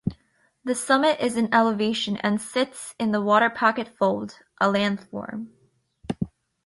The summit is in elevation and sits in the Waterpocket Fold, a landform.